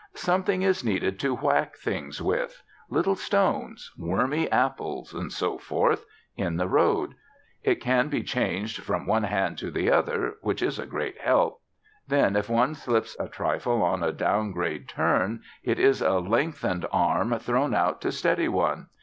Something is needed to whack things with, little stones, wormy apples, and so forth, in the road. It can be changed from one hand to the other, which is a great help. Then if one slips a trifle on a down grade turn it is a lengthened arm thrown out to steady one.